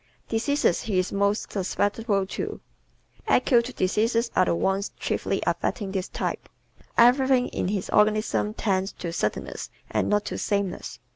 Diseases He is Most Susceptible To ¶ Acute diseases are the ones chiefly affecting this type. Everything in his organism tends to suddenness and not to sameness.